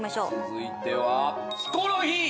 続いてはヒコロヒー。